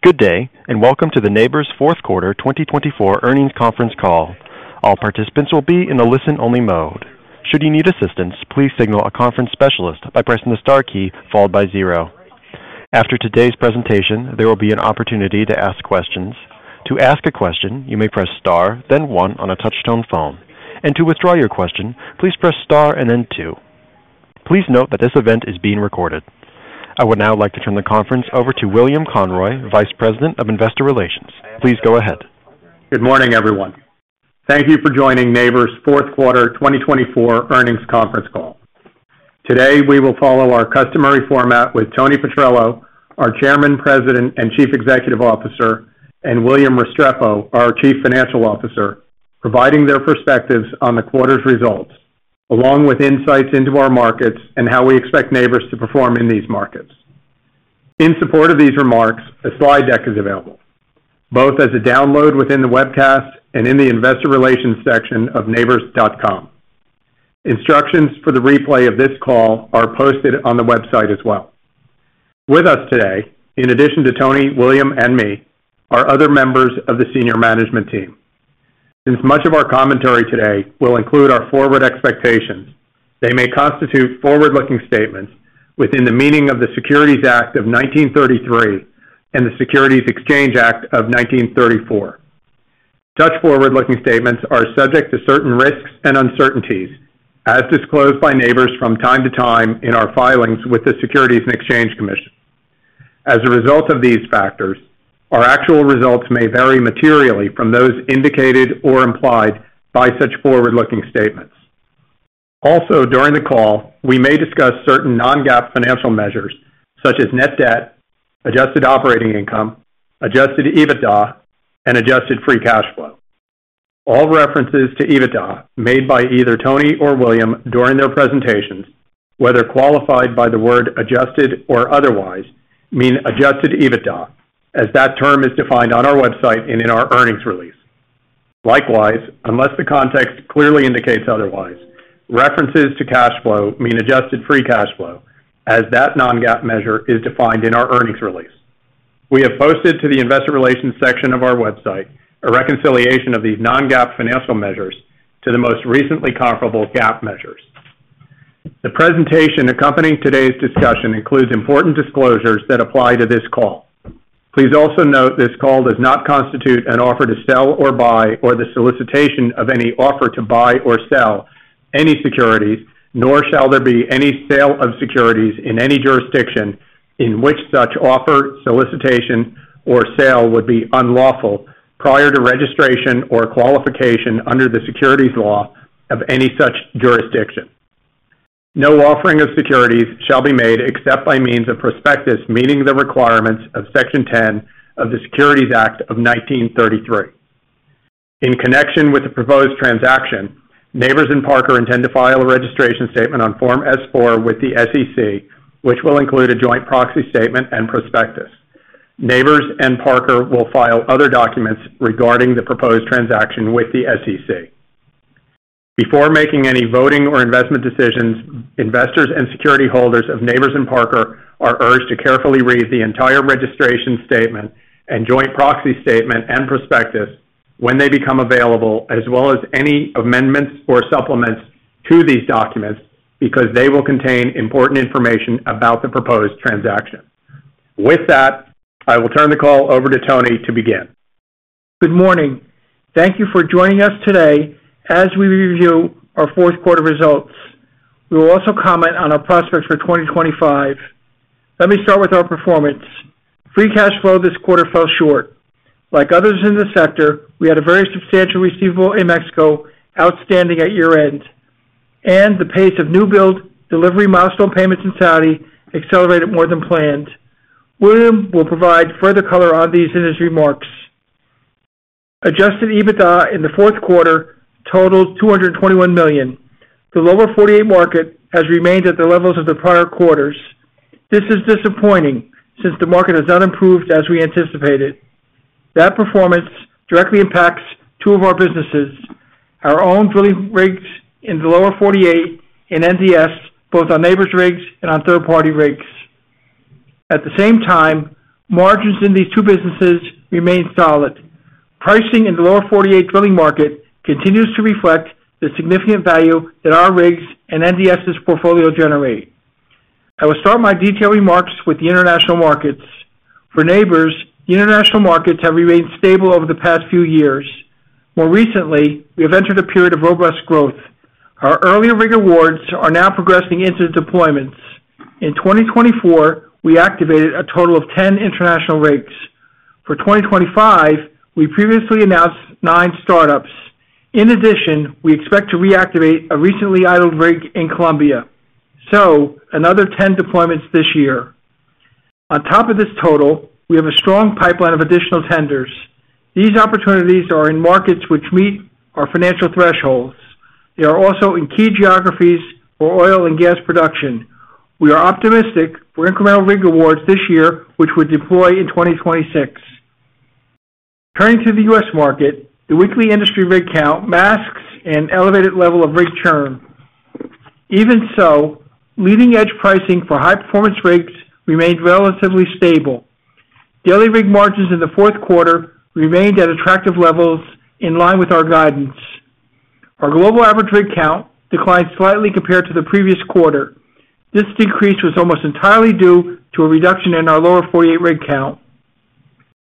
Good day, and welcome to the Nabors Fourth Quarter 2024 earnings conference call. All participants will be in a listen-only mode. Should you need assistance, please signal a conference specialist by pressing the star key followed by zero. After today's presentation, there will be an opportunity to ask questions. To ask a question, you may press star, then one on a touch-tone phone. And to withdraw your question, please press star and then two. Please note that this event is being recorded. I would now like to turn the conference over to William Conroy, Vice President of Investor Relations. Please go ahead. Good morning, everyone. Thank you for joining Nabors Fourth Quarter 2024 earnings conference call. Today, we will follow our customary format with Tony Petrello, our Chairman, President, and Chief Executive Officer, and William Restrepo, our Chief Financial Officer, providing their perspectives on the quarter's results, along with insights into our markets and how we expect Nabors to perform in these markets. In support of these remarks, a slide deck is available, both as a download within the webcast and in the investor relations section of nabors.com. Instructions for the replay of this call are posted on the website as well. With us today, in addition to Tony, William, and me, are other members of the senior management team. Since much of our commentary today will include our forward expectations, they may constitute forward-looking statements within the meaning of the Securities Act of 1933 and the Securities Exchange Act of 1934. Such forward-looking statements are subject to certain risks and uncertainties, as disclosed by Nabors from time to time in our filings with the Securities and Exchange Commission. As a result of these factors, our actual results may vary materially from those indicated or implied by such forward-looking statements. Also, during the call, we may discuss certain non-GAAP financial measures, such as net debt, adjusted operating income, adjusted EBITDA, and adjusted free cash flow. All references to EBITDA made by either Tony or William during their presentations, whether qualified by the word adjusted or otherwise, mean adjusted EBITDA, as that term is defined on our website and in our earnings release. Likewise, unless the context clearly indicates otherwise, references to cash flow mean adjusted free cash flow, as that non-GAAP measure is defined in our earnings release. We have posted to the investor relations section of our website a reconciliation of these non-GAAP financial measures to the most recently comparable GAAP measures. The presentation accompanying today's discussion includes important disclosures that apply to this call. Please also note this call does not constitute an offer to sell or buy or the solicitation of any offer to buy or sell any securities, nor shall there be any sale of securities in any jurisdiction in which such offer, solicitation, or sale would be unlawful prior to registration or qualification under the securities law of any such jurisdiction. No offering of securities shall be made except by means of prospectus meeting the requirements of Section 10 of the Securities Act of 1933. In connection with the proposed transaction, Nabors and Parker intend to file a registration statement on Form S-4 with the SEC, which will include a joint proxy statement and prospectus. Nabors and Parker will file other documents regarding the proposed transaction with the SEC. Before making any voting or investment decisions, investors and security holders of Nabors and Parker are urged to carefully read the entire registration statement and joint proxy statement and prospectus when they become available, as well as any amendments or supplements to these documents, because they will contain important information about the proposed transaction. With that, I will turn the call over to Tony to begin. Good morning. Thank you for joining us today as we review our fourth quarter results. We will also comment on our prospects for 2025. Let me start with our performance. Free cash flow this quarter fell short. Like others in the sector, we had a very substantial receivable in Mexico, outstanding at year-end, and the pace of new build, delivery milestone payments in Saudi accelerated more than planned. William will provide further color on these in his remarks. Adjusted EBITDA in the fourth quarter totaled $221 million. The Lower 48 market has remained at the levels of the prior quarters. This is disappointing since the market has not improved as we anticipated. That performance directly impacts two of our businesses: our own drilling rigs in the Lower 48 and NDS, both on Nabors rigs and on third-party rigs. At the same time, margins in these two businesses remain solid. Pricing in the Lower 48 drilling market continues to reflect the significant value that our rigs and NDS' portfolio generate. I will start my detailed remarks with the international markets. For Nabors, the international markets have remained stable over the past few years. More recently, we have entered a period of robust growth. Our earlier rig awards are now progressing into deployments. In 2024, we activated a total of 10 international rigs. For 2025, we previously announced nine startups. In addition, we expect to reactivate a recently idled rig in Colombia. So, another 10 deployments this year. On top of this total, we have a strong pipeline of additional tenders. These opportunities are in markets which meet our financial thresholds. They are also in key geographies for oil and gas production. We are optimistic for incremental rig awards this year, which we deploy in 2026. Turning to the U.S. Market, the weekly industry rig count masks an elevated level of rig churn. Even so, leading-edge pricing for high-performance rigs remained relatively stable. Daily rig margins in the fourth quarter remained at attractive levels in line with our guidance. Our global average rig count declined slightly compared to the previous quarter. This decrease was almost entirely due to a reduction in our Lower 48 rig count.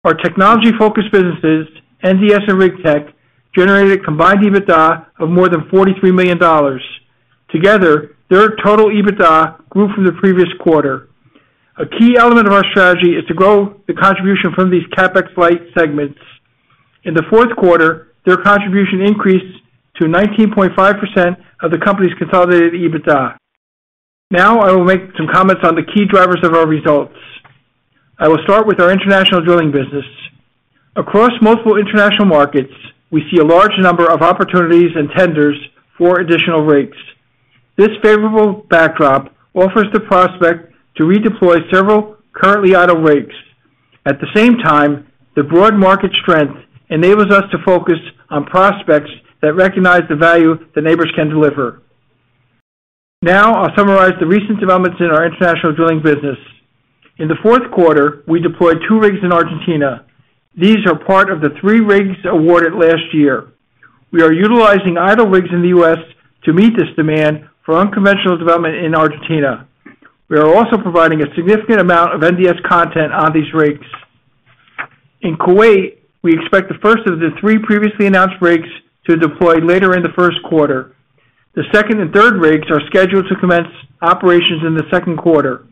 Our technology-focused businesses, NDS and Rig Tech, generated a combined EBITDA of more than $43 million. Together, their total EBITDA grew from the previous quarter. A key element of our strategy is to grow the contribution from these CapEx-like segments. In the fourth quarter, their contribution increased to 19.5% of the company's consolidated EBITDA. Now, I will make some comments on the key drivers of our results. I will start with our international drilling business. Across multiple international markets, we see a large number of opportunities and tenders for additional rigs. This favorable backdrop offers the prospect to redeploy several currently idle rigs. At the same time, the broad market strength enables us to focus on prospects that recognize the value that Nabors can deliver. Now, I'll summarize the recent developments in our international drilling business. In the fourth quarter, we deployed two rigs in Argentina. These are part of the three rigs awarded last year. We are utilizing idle rigs in the U.S. to meet this demand for unconventional development in Argentina. We are also providing a significant amount of NDS content on these rigs. In Kuwait, we expect the first of the three previously announced rigs to deploy later in the first quarter. The second and third rigs are scheduled to commence operations in the second quarter.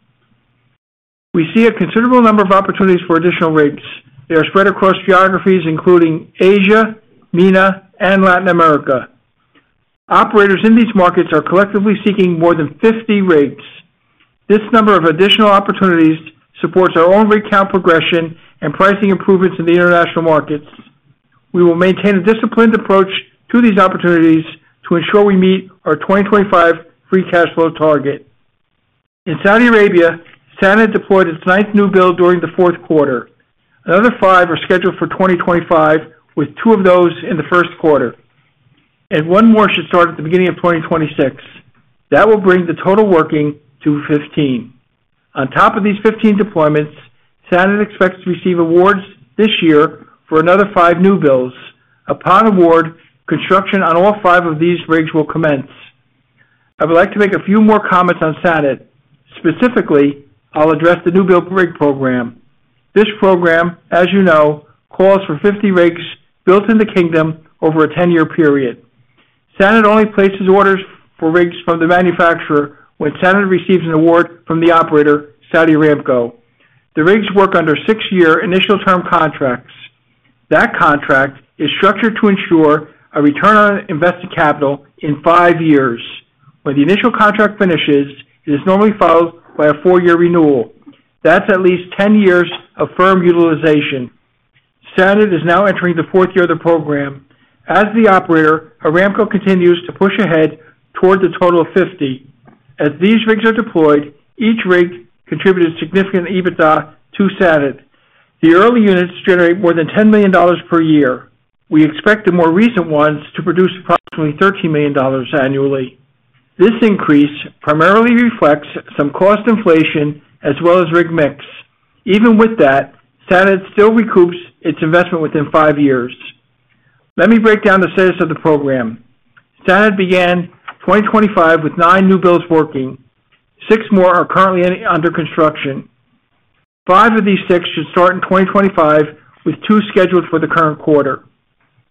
We see a considerable number of opportunities for additional rigs. They are spread across geographies including Asia, MENA, and Latin America. Operators in these markets are collectively seeking more than 50 rigs. This number of additional opportunities supports our own rig count progression and pricing improvements in the international markets. We will maintain a disciplined approach to these opportunities to ensure we meet our 2025 free cash flow target. In Saudi Arabia, SANAD deployed its ninth new build during the fourth quarter. Another five are scheduled for 2025, with two of those in the first quarter and one more should start at the beginning of 2026. That will bring the total working to 15. On top of these 15 deployments, SANAD expects to receive awards this year for another five new builds. Upon award, construction on all five of these rigs will commence. I would like to make a few more comments on SANAD. Specifically, I'll address the new build rig program. This program, as you know, calls for 50 rigs built in the kingdom over a 10-year period. SANAD only places orders for rigs from the manufacturer when SANAD receives an award from the operator, Saudi Aramco. The rigs work under six-year initial term contracts. That contract is structured to ensure a return on invested capital in five years. When the initial contract finishes, it is normally followed by a four-year renewal. That's at least 10 years of firm utilization. SANAD is now entering the fourth year of the program. As the operator, Aramco continues to push ahead toward the total of 50. As these rigs are deployed, each rig contributed significant EBITDA to SANAD. The early units generate more than $10 million per year. We expect the more recent ones to produce approximately $13 million annually. This increase primarily reflects some cost inflation as well as rig mix. Even with that, SANAD still recoups its investment within five years. Let me break down the status of the program. SANAD began 2025 with nine new builds working. Six more are currently under construction. Five of these six should start in 2025, with two scheduled for the current quarter.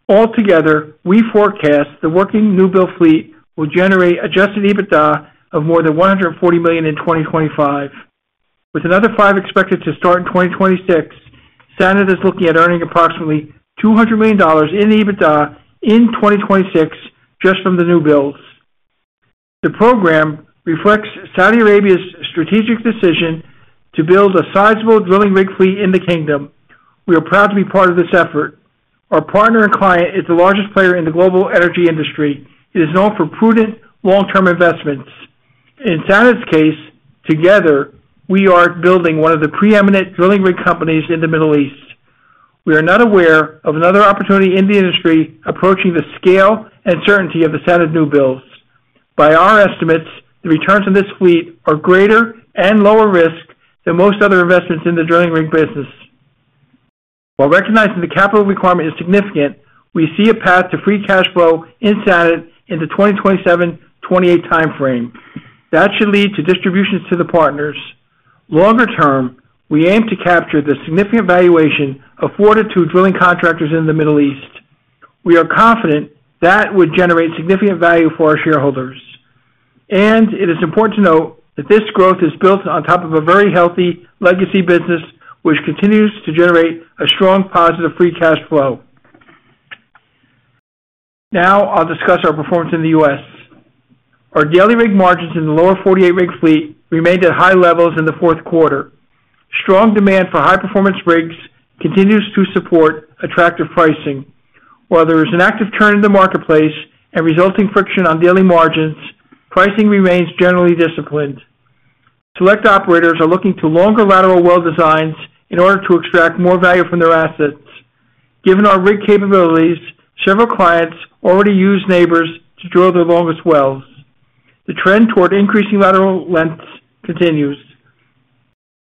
Altogether, we forecast the working new build fleet will generate Adjusted EBITDA of more than $140 million in 2025. With another five expected to start in 2026, SANAD is looking at earning approximately $200 million in EBITDA in 2026 just from the new builds. The program reflects Saudi Arabia's strategic decision to build a sizable drilling rig fleet in the kingdom. We are proud to be part of this effort. Our partner and client is the largest player in the global energy industry. It is known for prudent, long-term investments. In SANAD's case, together, we are building one of the preeminent drilling rig companies in the Middle East. We are not aware of another opportunity in the industry approaching the scale and certainty of the SANAD new builds. By our estimates, the returns on this fleet are greater and lower risk than most other investments in the drilling rig business. While recognizing the capital requirement is significant, we see a path to free cash flow in SANAD in the 2027-2028 timeframe. That should lead to distributions to the partners. Longer term, we aim to capture the significant valuation afforded to drilling contractors in the Middle East. We are confident that would generate significant value for our shareholders. It is important to note that this growth is built on top of a very healthy legacy business, which continues to generate a strong positive free cash flow. Now, I'll discuss our performance in the U.S. Our daily rig margins in the Lower 48 rig fleet remained at high levels in the fourth quarter. Strong demand for high-performance rigs continues to support attractive pricing. While there is an active turn in the marketplace and resulting friction on daily margins, pricing remains generally disciplined. Select operators are looking to longer lateral well designs in order to extract more value from their assets. Given our rig capabilities, several clients already use Nabors to drill their longest wells. The trend toward increasing lateral lengths continues.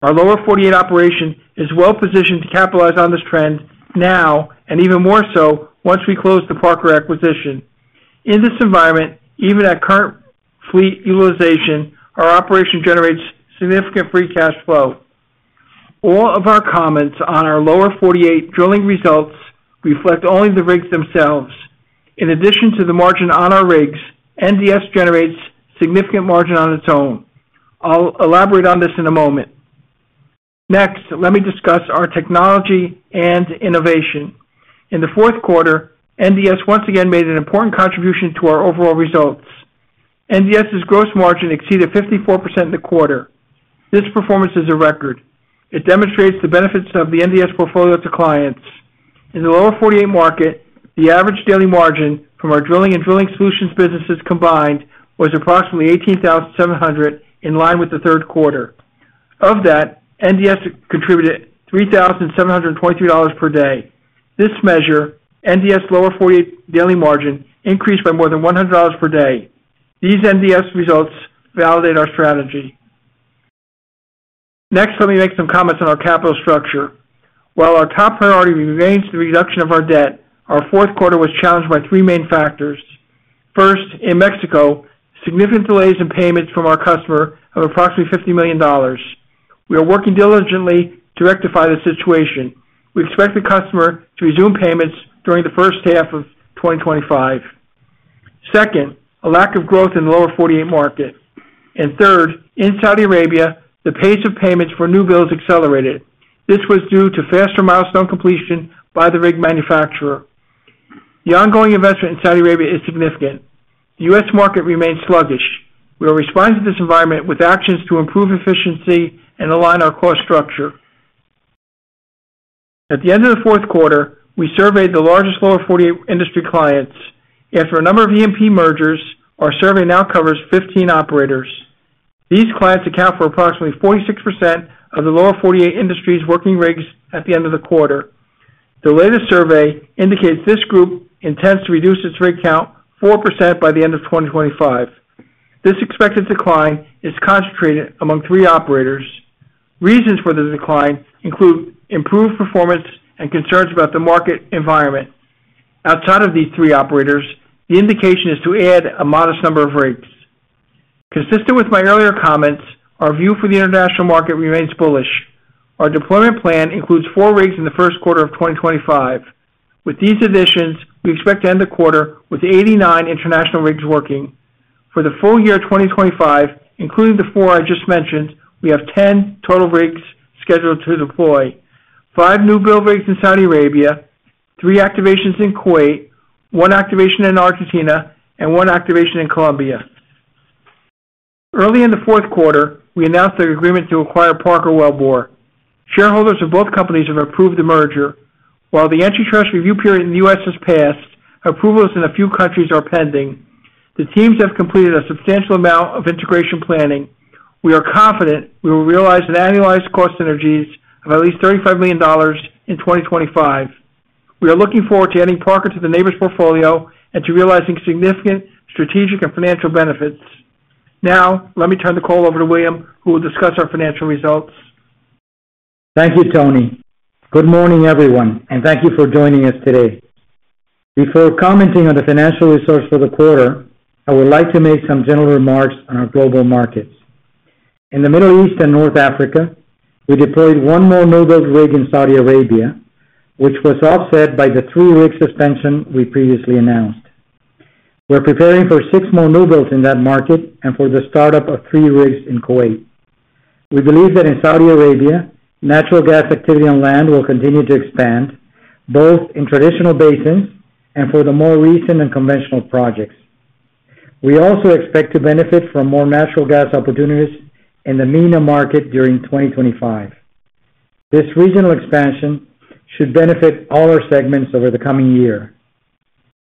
Our Lower 48 operation is well positioned to capitalize on this trend now and even more so once we close the Parker acquisition. In this environment, even at current fleet utilization, our operation generates significant free cash flow. All of our comments on our Lower 48 drilling results reflect only the rigs themselves. In addition to the margin on our rigs, NDS generates significant margin on its own. I'll elaborate on this in a moment. Next, let me discuss our technology and innovation. In the fourth quarter, NDS once again made an important contribution to our overall results. NDS's gross margin exceeded 54% in the quarter. This performance is a record. It demonstrates the benefits of the NDS portfolio to clients. In the Lower 48 market, the average daily margin from our drilling and Drilling Solutions businesses combined was approximately $18,700 in line with the third quarter. Of that, NDS contributed $3,723 per day. This measure, NDS's Lower 48 daily margin, increased by more than $100 per day. These NDS results validate our strategy. Next, let me make some comments on our capital structure. While our top priority remains the reduction of our debt, our fourth quarter was challenged by three main factors. First, in Mexico, significant delays in payments from our customer of approximately $50 million. We are working diligently to rectify the situation. We expect the customer to resume payments during the first half of 2025. Second, a lack of growth in the Lower 48 market, and third, in Saudi Arabia, the pace of payments for new builds accelerated. This was due to faster milestone completion by the rig manufacturer. The ongoing investment in Saudi Arabia is significant. The U.S. market remains sluggish. We are responding to this environment with actions to improve efficiency and align our cost structure. At the end of the fourth quarter, we surveyed the largest Lower 48 industry clients. After a number of E&P mergers, our survey now covers 15 operators. These clients account for approximately 46% of the Lower 48 industry's working rigs at the end of the quarter. The latest survey indicates this group intends to reduce its rig count 4% by the end of 2025. This expected decline is concentrated among three operators. Reasons for the decline include improved performance and concerns about the market environment. Outside of these three operators, the indication is to add a modest number of rigs. Consistent with my earlier comments, our view for the international market remains bullish. Our deployment plan includes four rigs in the first quarter of 2025. With these additions, we expect to end the quarter with 89 international rigs working. For the full year 2025, including the four I just mentioned, we have 10 total rigs scheduled to deploy: five new build rigs in Saudi Arabia, three activations in Kuwait, one activation in Argentina, and one activation in Colombia. Early in the fourth quarter, we announced our agreement to acquire Parker Wellbore. Shareholders of both companies have approved the merger. While the antitrust review period in the U.S. has passed, approvals in a few countries are pending. The teams have completed a substantial amount of integration planning. We are confident we will realize annualized cost synergies of at least $35 million in 2025. We are looking forward to adding Parker to the Nabors portfolio and to realizing significant strategic and financial benefits. Now, let me turn the call over to William, who will discuss our financial results. Thank you, Tony. Good morning, everyone, and thank you for joining us today. Before commenting on the financial results for the quarter, I would like to make some general remarks on our global markets. In the Middle East and North Africa, we deployed one more new build rig in Saudi Arabia, which was offset by the three rig suspension we previously announced. We're preparing for six more new builds in that market and for the startup of three rigs in Kuwait. We believe that in Saudi Arabia, natural gas activity on land will continue to expand, both in traditional basins and for the more recent and conventional projects. We also expect to benefit from more natural gas opportunities in the MENA market during 2025. This regional expansion should benefit all our segments over the coming year.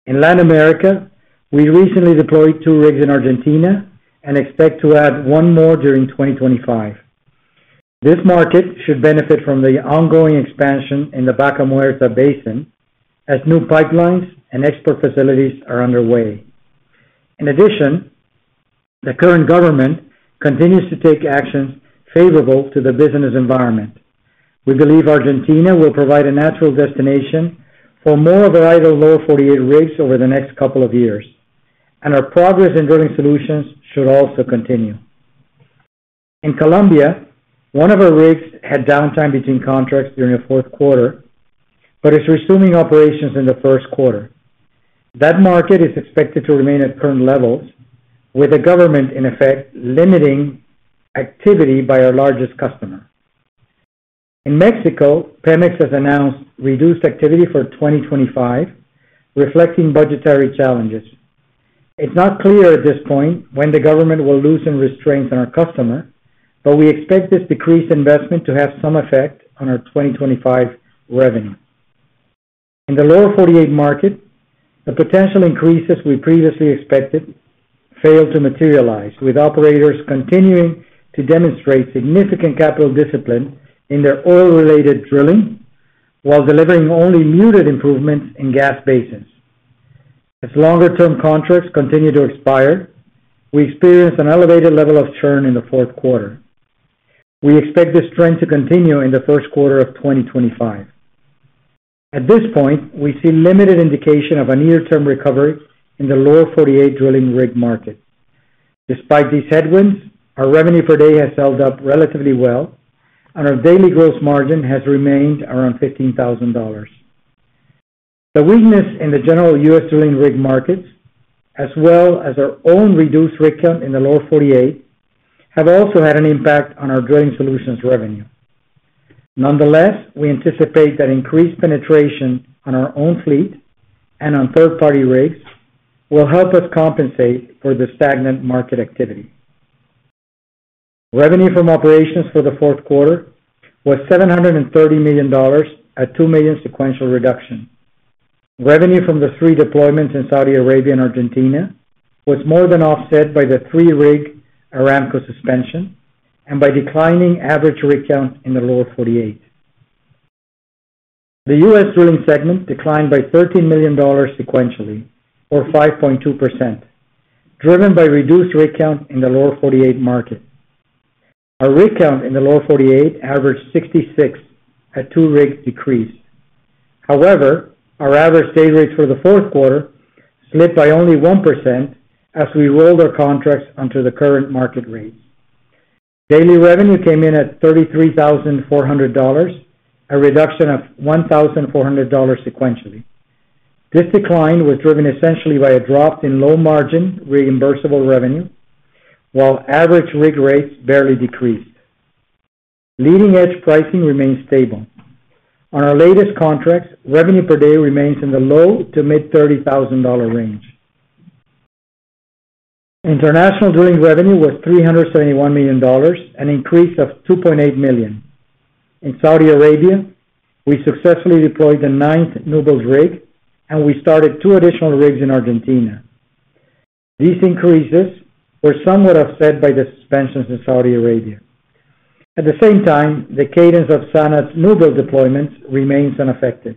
In Latin America, we recently deployed two rigs in Argentina and expect to add one more during 2025. This market should benefit from the ongoing expansion in the Vaca Muerta Basin, as new pipelines and export facilities are underway. In addition, the current government continues to take actions favorable to the business environment. We believe Argentina will provide a natural destination for more of our idle Lower 48 rigs over the next couple of years. Our progress in Drilling Solutions should also continue. In Colombia, one of our rigs had downtime between contracts during the fourth quarter, but is resuming operations in the first quarter. That market is expected to remain at current levels, with the government, in effect, limiting activity by our largest customer. In Mexico, Pemex has announced reduced activity for 2025, reflecting budgetary challenges. It's not clear at this point when the government will loosen restraints on our customer, but we expect this decreased investment to have some effect on our 2025 revenue. In the lower 48 market, the potential increases we previously expected failed to materialize, with operators continuing to demonstrate significant capital discipline in their oil-related drilling while delivering only muted improvements in gas basins. As longer-term contracts continue to expire, we experience an elevated level of churn in the fourth quarter. We expect this trend to continue in the first quarter of 2025. At this point, we see limited indication of a near-term recovery in the Lower 48 drilling rig market. Despite these headwinds, our revenue per day has held up relatively well, and our daily gross margin has remained around $15,000. The weakness in the general U.S. drilling rig markets, as well as our own reduced rig count in the Lower 48, have also had an impact on our Drilling Solutions revenue. Nonetheless, we anticipate that increased penetration on our own fleet and on third-party rigs will help us compensate for the stagnant market activity. Revenue from operations for the fourth quarter was $730 million, a $2 million sequential reduction. Revenue from the three deployments in Saudi Arabia and Argentina was more than offset by the three-rig Aramco suspension and by declining average rig count in the Lower 48. The U.S. drilling segment declined by $13 million sequentially, or 5.2%, driven by reduced rig count in the Lower 48 market. Our rig count in the Lower 48 averaged 66, a two-rig decrease. However, our average day rates for the fourth quarter slipped by only 1% as we rolled our contracts onto the current market rates. Daily revenue came in at $33,400, a reduction of $1,400 sequentially. This decline was driven essentially by a drop in low-margin reimbursable revenue, while average rig rates barely decreased. Leading-edge pricing remains stable. On our latest contracts, revenue per day remains in the low to mid-$30,000 range. International drilling revenue was $371 million, an increase of $2.8 million. In Saudi Arabia, we successfully deployed the ninth new build rig, and we started two additional rigs in Argentina. These increases were somewhat offset by the suspensions in Saudi Arabia. At the same time, the cadence of SANAD's new build deployments remains unaffected.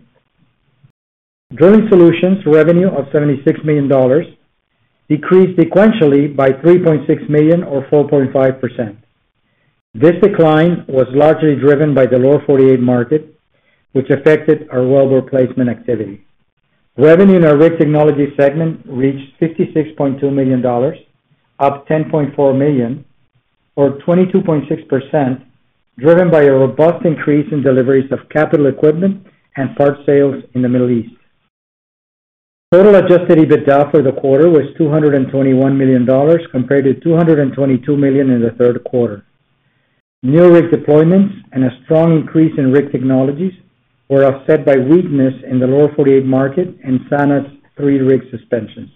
Drilling Solutions revenue of $76 million decreased sequentially by $3.6 million, or 4.5%. This decline was largely driven by the Lower 48 market, which affected our wellbore placement activity. Revenue in our Rig Technologies segment reached $56.2 million, up $10.4 million, or 22.6%, driven by a robust increase in deliveries of capital equipment and parts sales in the Middle East. Total Adjusted EBITDA for the quarter was $221 million, compared to $222 million in the third quarter. New rig deployments and a strong increase in Rig Technologies were offset by weakness in the Lower 48 market and SANAD's three-rig suspensions.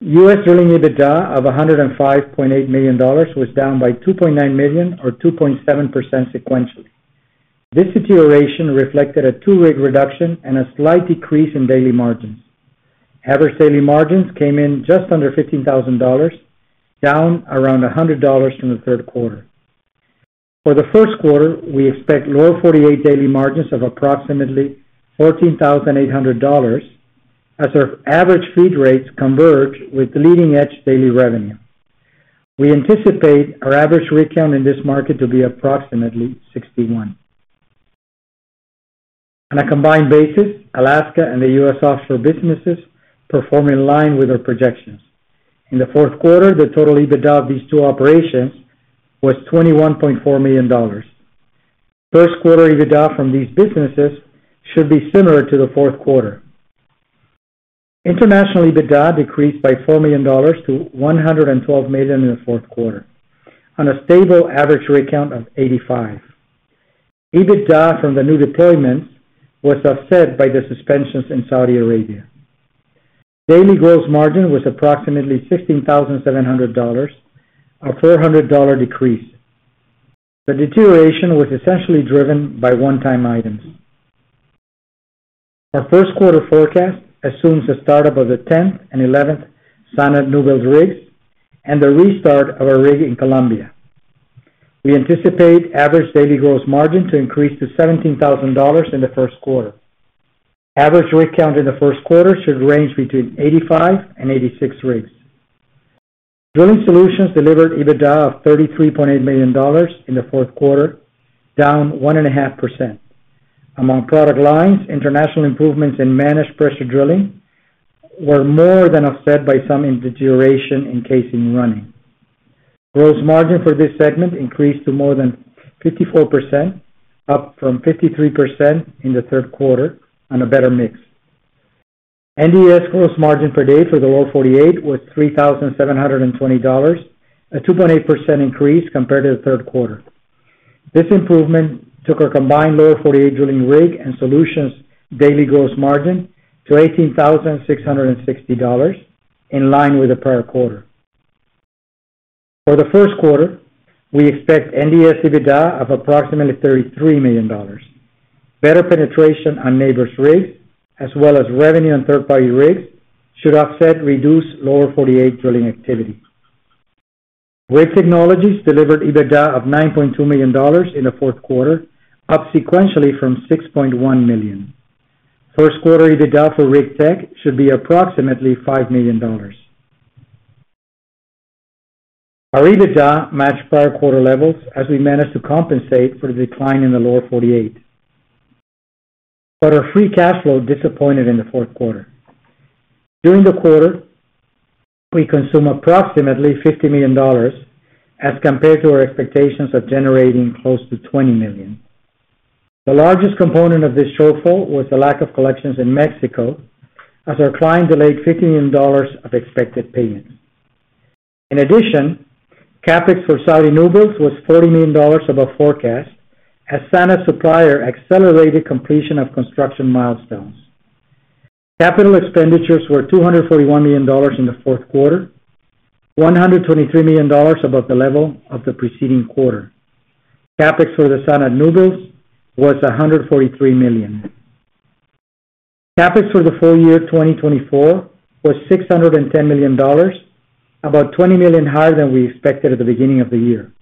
U.S. Drilling EBITDA of $105.8 million was down by 2.9 million, or 2.7%, sequentially. This deterioration reflected a two-rig reduction and a slight decrease in daily margins. Average daily margins came in just under $15,000, down around $100 from the third quarter. For the first quarter, we expect Lower 48 daily margins of approximately $14,800, as our average fleet rates converge with the leading-edge daily revenue. We anticipate our average rig count in this market to be approximately 61. On a combined basis, Alaska and the U.S. offshore businesses perform in line with our projections. In the fourth quarter, the total EBITDA of these two operations was $21.4 million. First quarter EBITDA from these businesses should be similar to the fourth quarter. International EBITDA decreased by $4 million to $112 million in the fourth quarter, on a stable average rig count of 85. EBITDA from the new deployments was offset by the suspensions in Saudi Arabia. Daily gross margin was approximately $16,700, a $400 decrease. The deterioration was essentially driven by one-time items. Our first quarter forecast assumes the startup of the 10th and 11th SANAD new build rigs and the restart of a rig in Colombia. We anticipate average daily gross margin to increase to $17,000 in the first quarter. Average rig count in the first quarter should range between 85 and 86 rigs. Drilling solutions delivered EBITDA of $33.8 million in the fourth quarter, down 1.5%. Among product lines, international improvements in managed pressure drilling were more than offset by some deterioration in casing running. Gross margin for this segment increased to more than 54%, up from 53% in the third quarter, on a better mix. NDS gross margin per day for the Lower 48 was $3,720, a 2.8% increase compared to the third quarter. This improvement took our combined Lower 48 drilling rig and solutions daily gross margin to $18,660, in line with the prior quarter. For the first quarter, we expect NDS EBITDA of approximately $33 million. Better penetration on Nabors rigs, as well as revenue on third-party rigs, should offset reduced Lower 48 drilling activity. Rig Technologies delivered EBITDA of $9.2 million in the fourth quarter, up sequentially from $6.1 million. First quarter EBITDA for Rig Tech should be approximately $5 million. Our EBITDA matched prior quarter levels, as we managed to compensate for the decline in the Lower 48. But our free cash flow disappointed in the fourth quarter. During the quarter, we consumed approximately $50 million, as compared to our expectations of generating close to $20 million. The largest component of this shortfall was the lack of collections in Mexico, as our client delayed $50 million of expected payments. In addition, CapEx for Saudi new builds was $40 million above forecast, as SANAD's supplier accelerated completion of construction milestones. Capital expenditures were $241 million in the fourth quarter, $123 million above the level of the preceding quarter. CapEx for the SANAD new builds was $143 million. CapEx for the full year 2024 was $610 million, about $20 million higher than we expected at the beginning of the year.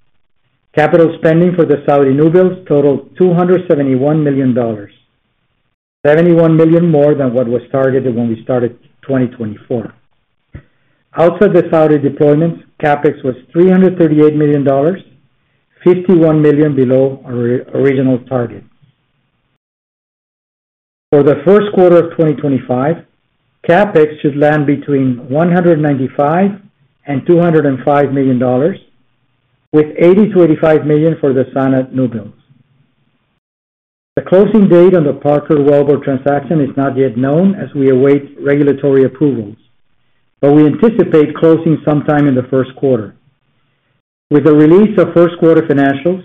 Capital spending for the Saudi new builds totaled $271 million, $71 million more than what was targeted when we started 2024. Outside the Saudi deployments, CapEx was $338 million, $51 million below our original target. For the first quarter of 2025, CapEx should land between $195-$205 million, with $80-$85 million for the SANAD new builds. The closing date on the Parker Wellbore transaction is not yet known, as we await regulatory approvals, but we anticipate closing sometime in the first quarter. With the release of first quarter financials,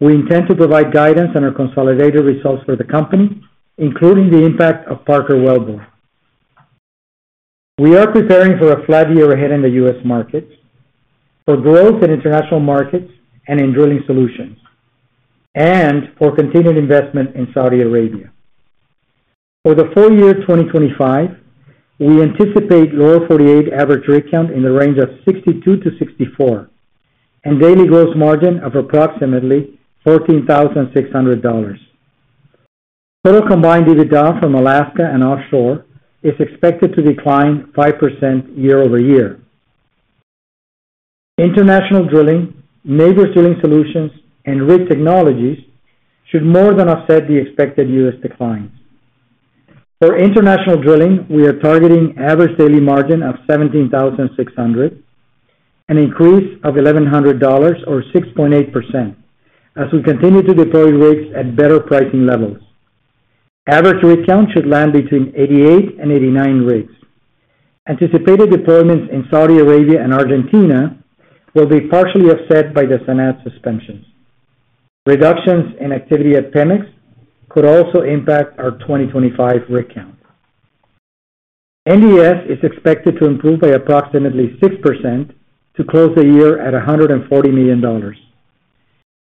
we intend to provide guidance on our consolidated results for the company, including the impact of Parker Wellbore. We are preparing for a flat year ahead in the U.S. markets, for growth in international markets and in Drilling Solutions, and for continued investment in Saudi Arabia. For the full year 2025, we anticipate Lower 48 average rig count in the range of 62-64, and daily gross margin of approximately $14,600. Total combined EBITDA from Alaska and offshore is expected to decline 5% year over year. International Drilling, Nabors Drilling Solutions, and Rig Technologies should more than offset the expected U.S. declines. For International Drilling, we are targeting average daily margin of $17,600, an increase of $1,100, or 6.8%, as we continue to deploy rigs at better pricing levels. Average rig count should land between 88 and 89 rigs. Anticipated deployments in Saudi Arabia and Argentina will be partially offset by the SANAD's suspensions. Reductions in activity at Pemex could also impact our 2025 rig count. NDS is expected to improve by approximately 6% to close the year at $140 million,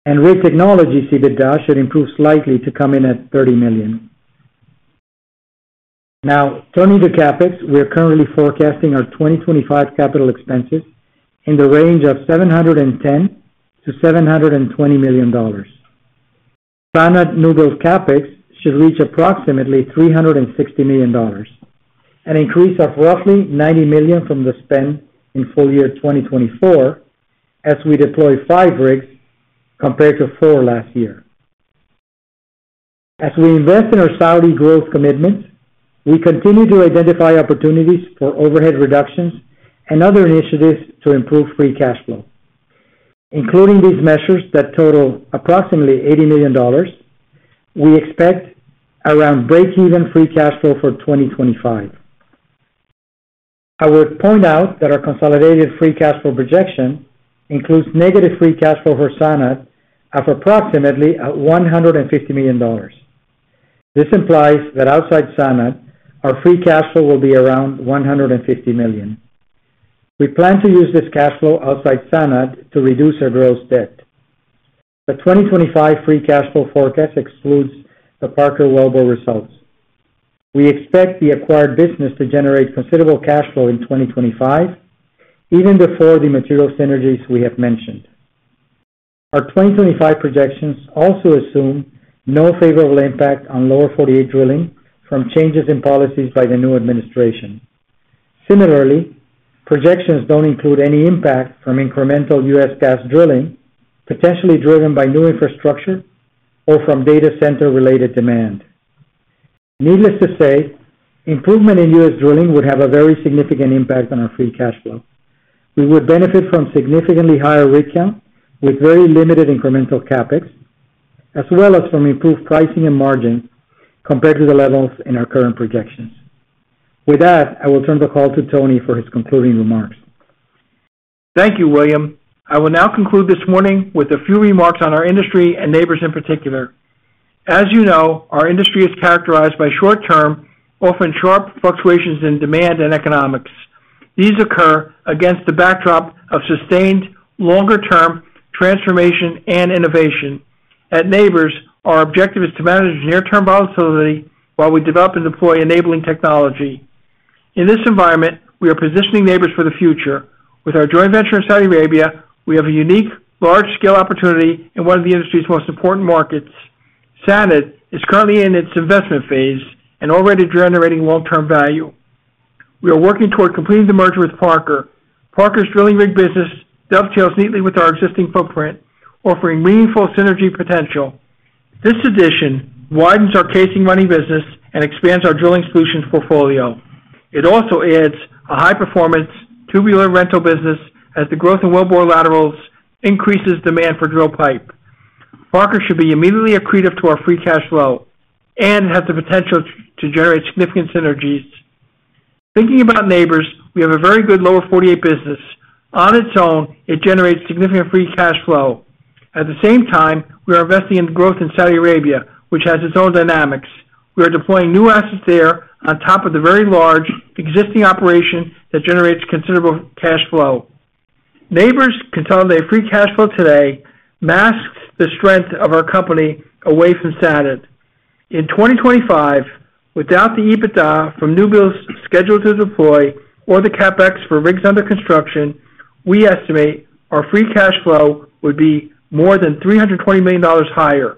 and Rig Technologies EBITDA should improve slightly to come in at $30 million. Now, turning to CapEx, we are currently forecasting our 2025 capital expenses in the range of $710-$720 million. SANAD new build CapEx should reach approximately $360 million, an increase of roughly $90 million from the spend in full year 2024, as we deploy five rigs compared to four last year. As we invest in our Saudi growth commitments, we continue to identify opportunities for overhead reductions and other initiatives to improve free cash flow. Including these measures that total approximately $80 million, we expect around break-even free cash flow for 2025. I would point out that our consolidated free cash flow projection includes negative free cash flow for SANAD of approximately $150 million. This implies that outside SANAD, our free cash flow will be around $150 million. We plan to use this cash flow outside SANAD to reduce our gross debt. The 2025 free cash flow forecast excludes the Parker Wellbore results. We expect the acquired business to generate considerable cash flow in 2025, even before the material synergies we have mentioned. Our 2025 projections also assume no favorable impact on Lower 48 drilling from changes in policies by the new administration. Similarly, projections don't include any impact from incremental U.S. gas drilling, potentially driven by new infrastructure or from data center-related demand. Needless to say, improvement in U.S. drilling would have a very significant impact on our free cash flow. We would benefit from significantly higher rig count with very limited incremental CapEx, as well as from improved pricing and margins compared to the levels in our current projections. With that, I will turn the call to Tony for his concluding remarks. Thank you, William. I will now conclude this morning with a few remarks on our industry and Nabors in particular. As you know, our industry is characterized by short-term, often sharp fluctuations in demand and economics. These occur against the backdrop of sustained longer-term transformation and innovation. At Nabors, our objective is to manage near-term volatility while we develop and deploy enabling technology. In this environment, we are positioning Nabors for the future. With our joint venture in Saudi Arabia, we have a unique large-scale opportunity in one of the industry's most important markets. SANAD is currently in its investment phase and already generating long-term value. We are working toward completing the merger with Parker. Parker's drilling rig business dovetails neatly with our existing footprint, offering meaningful synergy potential. This addition widens our casing running business and expands our Drilling Solutions portfolio. It also adds a high-performance tubular rental business as the growth in wellbore laterals increases demand for drill pipe. Parker should be immediately accretive to our free cash flow and has the potential to generate significant synergies. Thinking about Nabors, we have a very good Lower 48 business. On its own, it generates significant free cash flow. At the same time, we are investing in growth in Saudi Arabia, which has its own dynamics. We are deploying new assets there on top of the very large existing operation that generates considerable cash flow. Nabors' current free cash flow today masks the strength of our company away from SANAD. In 2025, without the EBITDA from new builds scheduled to deploy or the CapEx for rigs under construction, we estimate our free cash flow would be more than $320 million higher.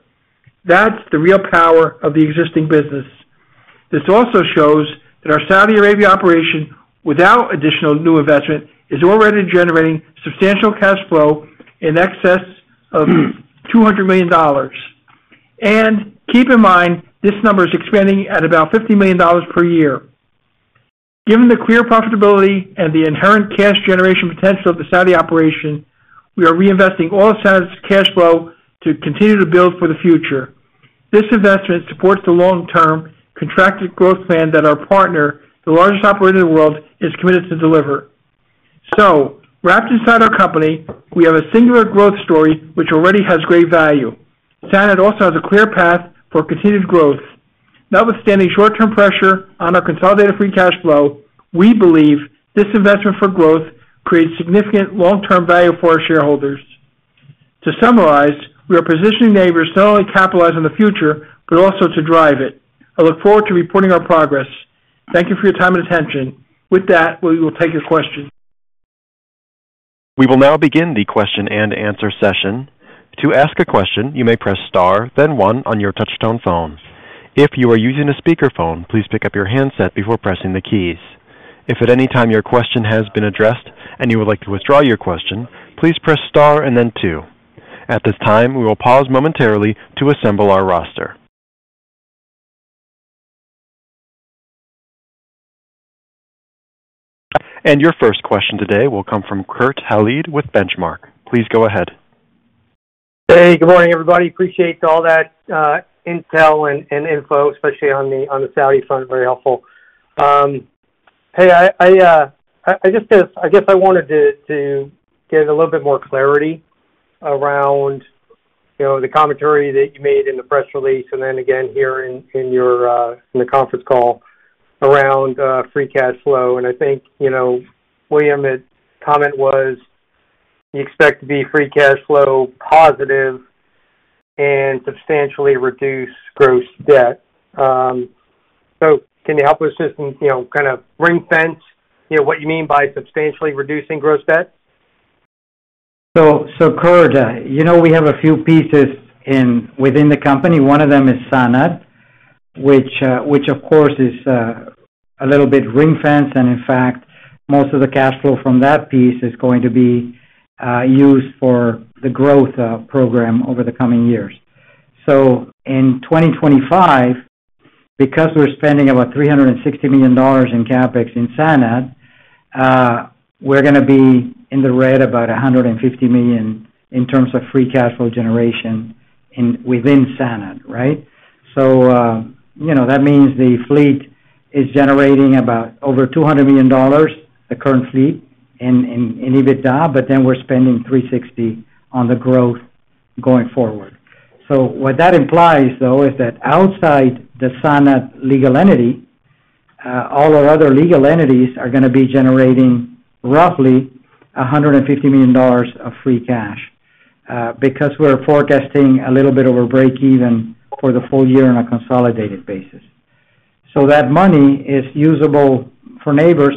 That's the real power of the existing business. This also shows that our Saudi Arabia operation, without additional new investment, is already generating substantial cash flow in excess of $200 million. And keep in mind, this number is expanding at about $50 million per year. Given the clear profitability and the inherent cash generation potential of the Saudi operation, we are reinvesting all of SANAD's cash flow to continue to build for the future. This investment supports the long-term contracted growth plan that our partner, the largest operator in the world, is committed to deliver. So, wrapped inside our company, we have a singular growth story which already has great value. SANAD also has a clear path for continued growth. Notwithstanding short-term pressure on our consolidated free cash flow, we believe this investment for growth creates significant long-term value for our shareholders. To summarize, we are positioning Nabors not only to capitalize on the future but also to drive it. I look forward to reporting our progress. Thank you for your time and attention. With that, we will take your questions. We will now begin the question and answer session. To ask a question, you may press star, then one, on your touch-tone phone. If you are using a speakerphone, please pick up your handset before pressing the keys. If at any time your question has been addressed and you would like to withdraw your question, please press star and then two. At this time, we will pause momentarily to assemble our roster. And your first question today will come from Kurt Hallead with Benchmark. Please go ahead. Hey, good morning, everybody. Appreciate all that intel and info, especially on the Saudi front. Very helpful. Hey, I just guess I wanted to get a little bit more clarity around the commentary that you made in the press release and then again here in the conference call around free cash flow. And I think, William, the comment was you expect to be free cash flow positive and substantially reduce gross debt. So can you help us just kind of ring-fence what you mean by substantially reducing gross debt? So, Kurt, we have a few pieces within the company. One of them is SANAD, which, of course, is a little bit ring-fenced. And in fact, most of the cash flow from that piece is going to be used for the growth program over the coming years. So in 2025, because we're spending about $360 million in CapEx in SANAD, we're going to be in the red about $150 million in terms of free cash flow generation within SANAD, right? So that means the fleet is generating about over $200 million, the current fleet, in EBITDA, but then we're spending $360 million on the growth going forward. So what that implies, though, is that outside the SANAD legal entity, all our other legal entities are going to be generating roughly $150 million of free cash because we're forecasting a little bit of a break-even for the full year on a consolidated basis. So that money is usable for Nabors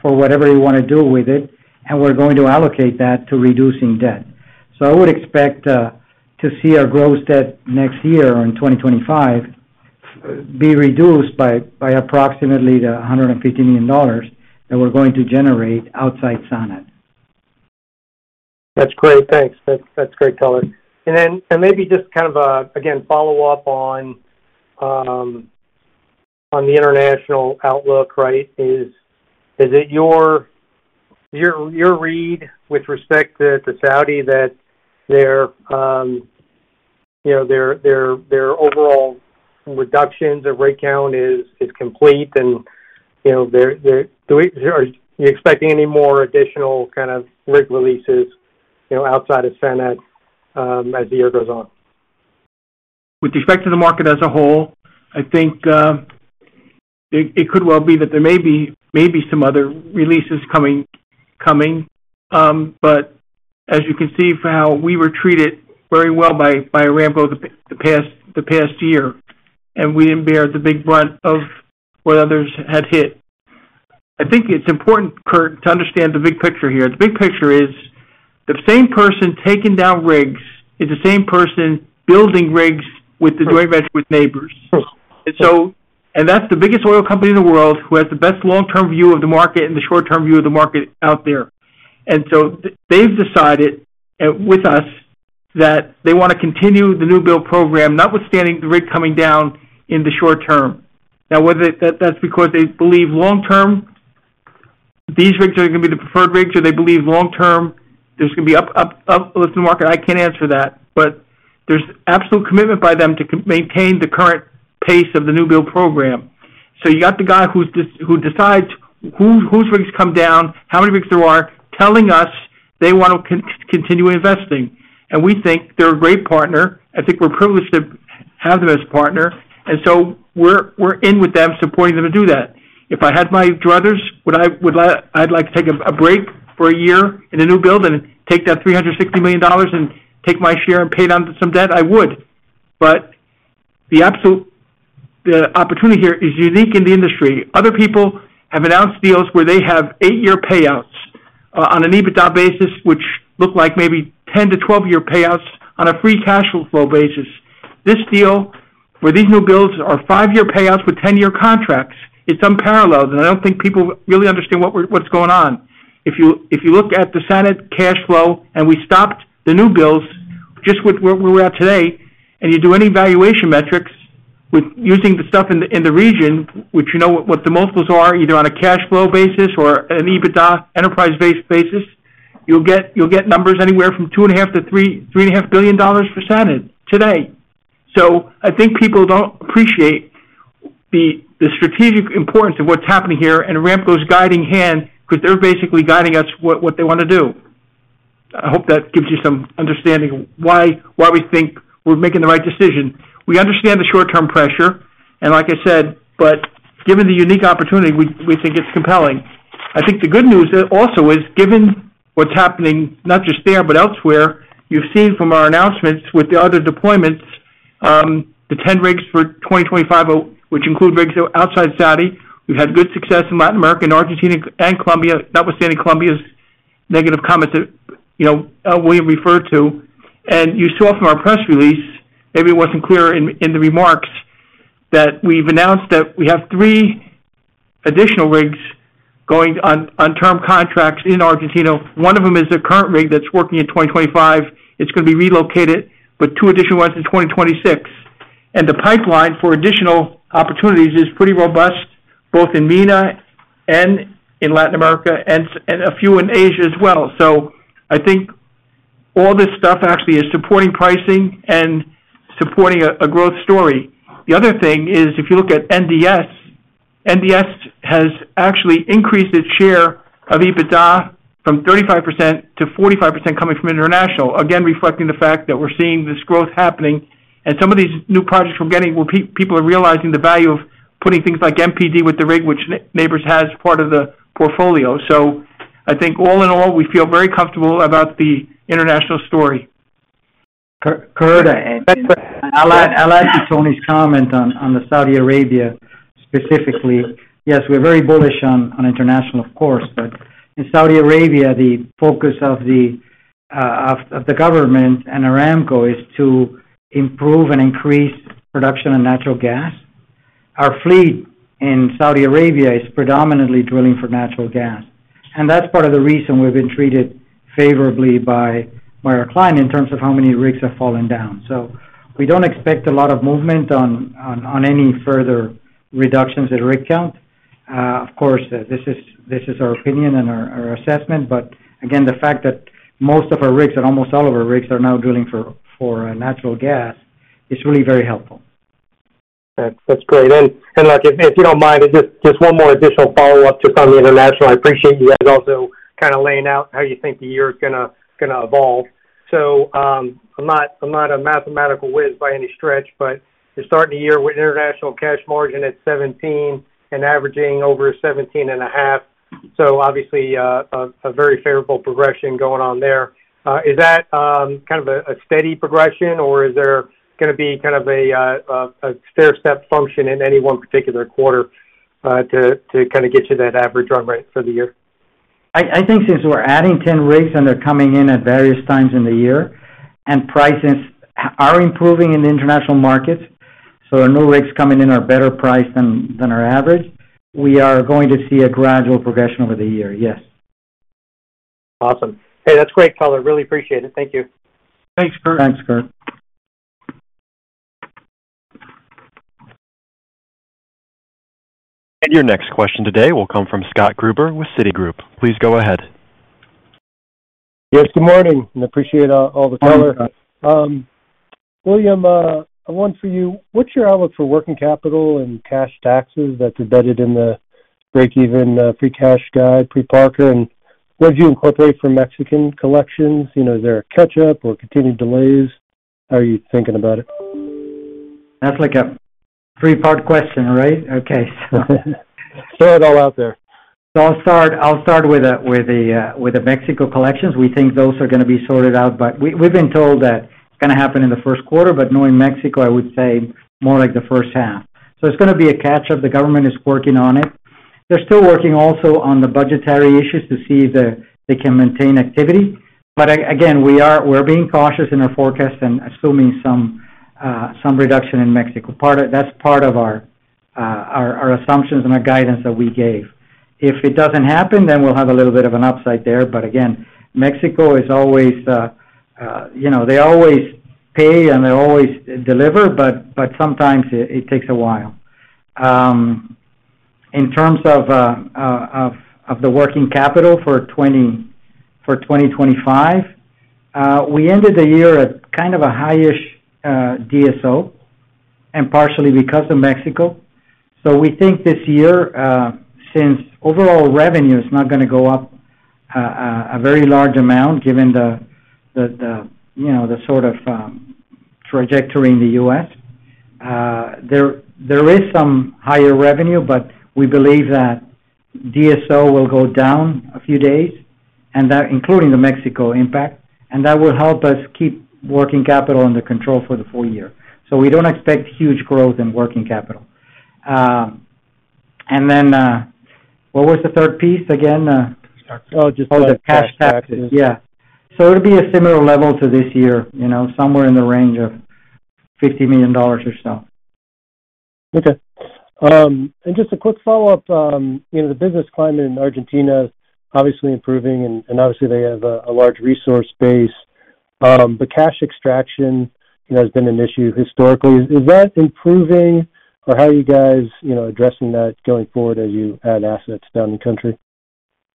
for whatever you want to do with it, and we're going to allocate that to reducing debt. So I would expect to see our gross debt next year in 2025 be reduced by approximately the $150 million that we're going to generate outside SANAD. That's great. Thanks. That's great, Tony. And then maybe just kind of, again, follow up on the international outlook, right? Is it your read with respect to Saudi that their overall reductions of rig count is complete and are you expecting any more additional kind of rig releases outside of SANAD as the year goes on? With respect to the market as a whole, I think it could well be that there may be some other releases coming. But as you can see how we were treated very well by Aramco the past year, and we didn't bear the big brunt of what others had hit. I think it's important, Kurt, to understand the big picture here. The big picture is the same person taking down rigs is the same person building rigs with the joint venture with Nabors, and that's the biggest oil company in the world who has the best long-term view of the market and the short-term view of the market out there, and so they've decided with us that they want to continue the new build program, notwithstanding the rig coming down in the short term. Now, whether that's because they believe long-term these rigs are going to be the preferred rigs or they believe long-term there's going to be uplift in the market, I can't answer that, but there's absolute commitment by them to maintain the current pace of the new build program, so you got the guy who decides whose rigs come down, how many rigs there are, telling us they want to continue investing. We think they're a great partner. I think we're privileged to have them as a partner. We're in with them supporting them to do that. If I had my druthers, I'd like to take a break for a year in a new build and take that $360 million and take my share and pay down some debt, I would. The opportunity here is unique in the industry. Other people have announced deals where they have eight-year payouts on an EBITDA basis, which look like maybe 10-12-year payouts on a free cash flow basis. This deal where these new builds are five-year payouts with 10-year contracts is unparalleled. I don't think people really understand what's going on. If you look at the SANAD cash flow and we stopped the new builds just where we're at today and you do any valuation metrics using the stuff in the region, which you know what the multiples are, either on a cash flow basis or an EBITDA enterprise basis, you'll get numbers anywhere from $2.5-$3.5 billion for SANAD today, so I think people don't appreciate the strategic importance of what's happening here and Aramco's guiding hand because they're basically guiding us what they want to do. I hope that gives you some understanding of why we think we're making the right decision. We understand the short-term pressure, and like I said, but given the unique opportunity, we think it's compelling. I think the good news also is given what's happening not just there but elsewhere. You've seen from our announcements with the other deployments, the 10 rigs for 2025, which include rigs outside Saudi. We've had good success in Latin America, in Argentina, and Colombia, notwithstanding Colombia's negative comments that William referred to. And you saw from our press release, maybe it wasn't clear in the remarks, that we've announced that we have three additional rigs going on term contracts in Argentina. One of them is a current rig that's working in 2025. It's going to be relocated, but two additional ones in 2026. And the pipeline for additional opportunities is pretty robust, both in MENA and in Latin America and a few in Asia as well. So I think all this stuff actually is supporting pricing and supporting a growth story. The other thing is if you look at NDS, NDS has actually increased its share of EBITDA from 35% to 45% coming from international, again, reflecting the fact that we're seeing this growth happening, and some of these new projects we're getting where people are realizing the value of putting things like MPD with the rig, which Nabors has part of the portfolio, so I think all in all, we feel very comfortable about the international story. Kurt, I like Tony's comment on Saudi Arabia specifically. Yes, we're very bullish on international, of course, but in Saudi Arabia, the focus of the government and Aramco is to improve and increase production of natural gas. Our fleet in Saudi Arabia is predominantly drilling for natural gas, and that's part of the reason we've been treated favorably by our client in terms of how many rigs have fallen down. We don't expect a lot of movement on any further reductions in rig count. Of course, this is our opinion and our assessment. But again, the fact that most of our rigs and almost all of our rigs are now drilling for natural gas is really very helpful. That's great. And if you don't mind, just one more additional follow-up just on the international. I appreciate you guys also kind of laying out how you think the year is going to evolve. So I'm not a mathematical whiz by any stretch, but you're starting the year with international cash margin at 17 and averaging over 17.5. So obviously, a very favorable progression going on there. Is that kind of a steady progression, or is there going to be kind of a stair-step function in any one particular quarter to kind of get you that average run rate for the year? I think since we're adding 10 rigs and they're coming in at various times in the year and prices are improving in the international markets, so our new rigs coming in are better priced than our average, we are going to see a gradual progression over the year. Yes. Awesome. Hey, that's great, Tony. Really appreciate it. Thank you. Thanks, Kurt. Thanks, Kurt. And your next question today will come from Scott Gruber with Citigroup. Please go ahead. Yes, good morning. And appreciate all the color. William, I wanted for you, what's your outlook for working capital and cash taxes that's embedded in the break-even free cash guide, Parker, and what did you incorporate for Mexican collections? Is there a catch-up or continued delays? How are you thinking about it? That's like a three-part question, right? Okay. Throw it all out there. So I'll start with the Mexico collections. We think those are going to be sorted out, but we've been told that it's going to happen in the first quarter. But knowing Mexico, I would say more like the first half. So it's going to be a catch-up. The government is working on it. They're still working also on the budgetary issues to see if they can maintain activity. But again, we're being cautious in our forecasts and assuming some reduction in Mexico. That's part of our assumptions and our guidance that we gave. If it doesn't happen, then we'll have a little bit of an upside there. But again, Mexico is always they always pay and they always deliver, but sometimes it takes a while. In terms of the working capital for 2025, we ended the year at kind of a high-ish DSO and partially because of Mexico. So we think this year, since overall revenue is not going to go up a very large amount given the sort of trajectory in the U.S., there is some higher revenue, but we believe that DSO will go down a few days, including the Mexico impact. And that will help us keep working capital under control for the full year. So we don't expect huge growth in working capital. And then what was the third piece again? Oh, just the cash taxes. Yeah. So it'll be a similar level to this year, somewhere in the range of $50 million or so. Okay. And just a quick follow-up. The business climate in Argentina is obviously improving, and obviously, they have a large resource base. But cash extraction has been an issue historically. Is that improving, or how are you guys addressing that going forward as you add assets down the country?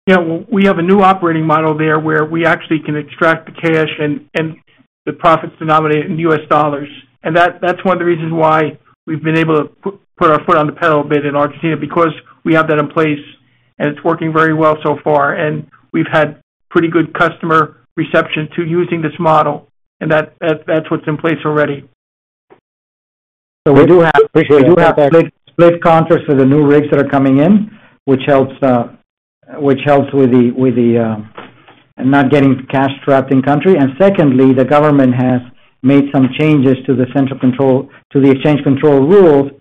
Yeah. We have a new operating model there where we actually can extract the cash and the profits denominated in U.S. dollars. And that's one of the reasons why we've been able to put our foot on the pedal a bit in Argentina because we have that in place, and it's working very well so far. And we've had pretty good customer reception to using this model, and that's what's in place already. So we do have split contracts for the new rigs that are coming in, which helps with not getting cash trapped in country. And secondly, the government has made some changes to the central control, to the exchange control rules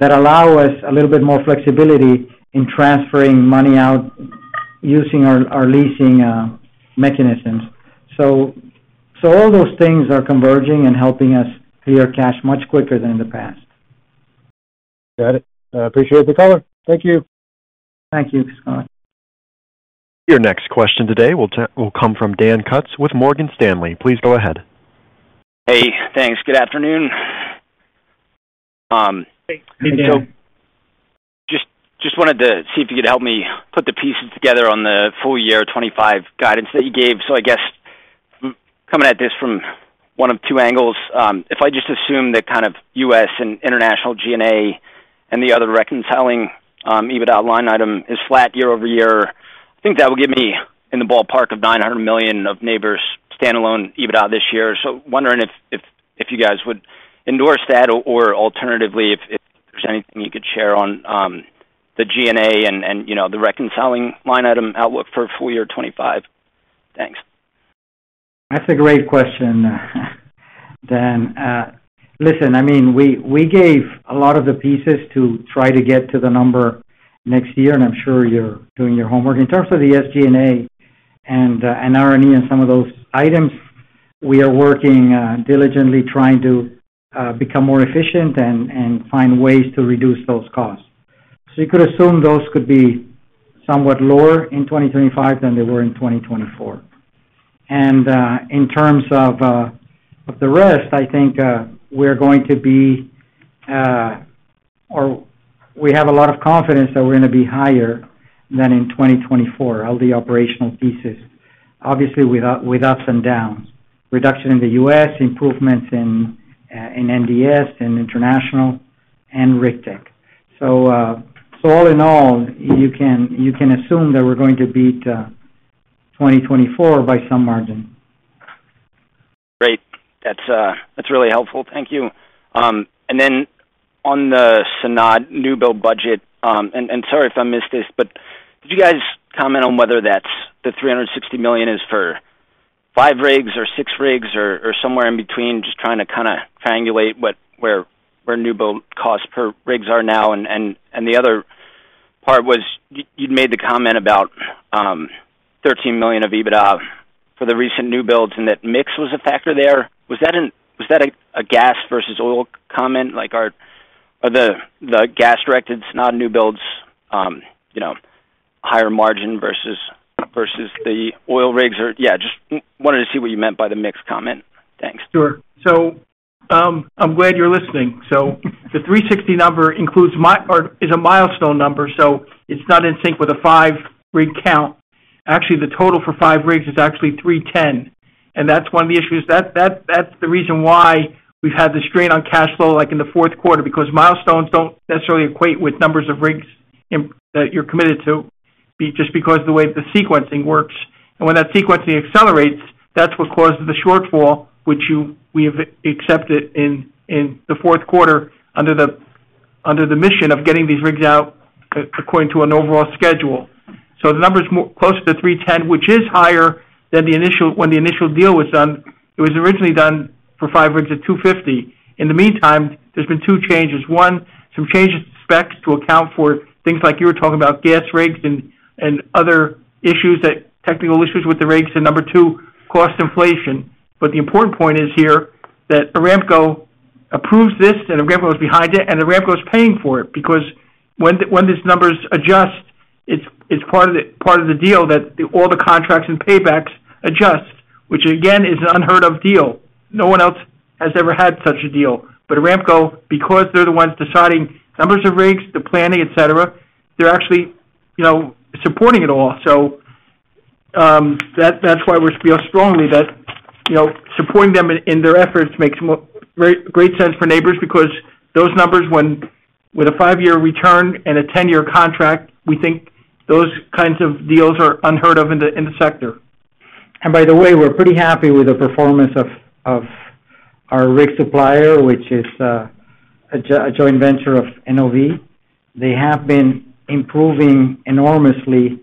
that allow us a little bit more flexibility in transferring money out using our leasing mechanisms. So all those things are converging and helping us clear cash much quicker than in the past. Got it. I appreciate the color. Thank you. Thank you, Mr. Scott. Your next question today will come from Dan Kutz with Morgan Stanley. Please go ahead. Hey. Thanks. Good afternoon. Hey, good day. So just wanted to see if you could help me put the pieces together on the full year 2025 guidance that you gave. I guess coming at this from one of two angles, if I just assume that kind of U.S. and international G&A and the other reconciling EBITDA line item is flat year-over-year, I think that will give me in the ballpark of 900 million of Nabors standalone EBITDA this year. Wondering if you guys would endorse that, or alternatively, if there's anything you could share on the G&A and the reconciling line item outlook for full year 2025. Thanks. That's a great question, Dan. Listen, I mean, we gave a lot of the pieces to try to get to the number next year, and I'm sure you're doing your homework. In terms of the SG&A and R&E and some of those items, we are working diligently trying to become more efficient and find ways to reduce those costs. So you could assume those could be somewhat lower in 2025 than they were in 2024. And in terms of the rest, I think we're going to be, or we have a lot of confidence that we're going to be higher than in 2024, all the operational pieces, obviously with ups and downs, reduction in the U.S., improvements in NDS and international, and Rig Tech. So all in all, you can assume that we're going to beat 2024 by some margin. Great. That's really helpful. Thank you. And then on the SANAD new build budget, and sorry if I missed this, but did you guys comment on whether that's the $360 million is for five rigs or six rigs or somewhere in between, just trying to kind of triangulate where new build costs per rigs are now? The other part was you'd made the comment about $13 million of EBITDA for the recent new builds and that mix was a factor there. Was that a gas versus oil comment? Are the gas-directed SANAD new builds higher margin versus the oil rigs? Or yeah, just wanted to see what you meant by the mix comment. Thanks. Sure. I'm glad you're listening. The $360 number is a milestone number, so it's not in sync with a five-rig count. Actually, the total for five rigs is actually $310. And that's one of the issues. That's the reason why we've had the strain on cash flow in the fourth quarter, because milestones don't necessarily equate with numbers of rigs that you're committed to just because of the way the sequencing works. When that sequencing accelerates, that's what causes the shortfall, which we have accepted in the fourth quarter under the mission of getting these rigs out according to an overall schedule. So the number's closer to 310, which is higher than when the initial deal was done. It was originally done for five rigs at 250. In the meantime, there's been two changes. One, some changes to specs to account for things like you were talking about gas rigs and other issues, technical issues with the rigs. And number two, cost inflation. But the important point is here that Aramco approves this, and Aramco is behind it, and Aramco is paying for it because when these numbers adjust, it's part of the deal that all the contracts and paybacks adjust, which again is an unheard-of deal. No one else has ever had such a deal. But Aramco, because they're the ones deciding numbers of rigs, the planning, etc., they're actually supporting it all. So that's why we feel strongly that supporting them in their efforts makes great sense for Nabors because those numbers, with a five-year return and a 10-year contract, we think those kinds of deals are unheard of in the sector. And by the way, we're pretty happy with the performance of our rig supplier, which is a joint venture of NOV. They have been improving enormously